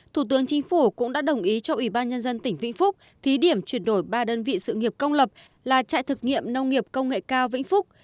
thủ tướng chính phủ cũng đã đồng ý cho ủy ban nhân dân tỉnh vĩnh phúc thí điểm chuyển đổi ba đơn vị sự nghiệp công lập là trại thực nghiệm nông nghiệp công nghệ cao vĩnh phúc